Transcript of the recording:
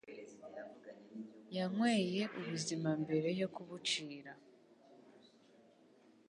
Yanyweye ubuzima mbere yo kubucira.